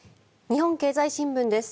日本経済新聞です。